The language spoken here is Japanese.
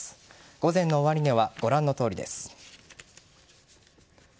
午前の終値はご覧のとおりです。